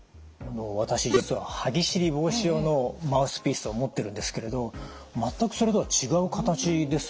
私実は歯ぎしり防止用のマウスピースを持っているんですけれど全くそれとは違う形ですね。